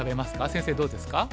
先生どうですか秋。